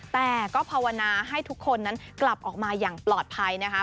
แต่ก็ภาวนาให้ทุกคนนั้นกลับออกมาอย่างปลอดภัยนะคะ